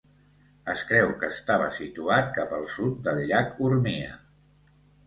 Es creu que estava situat cap al sud del Llac Urmia.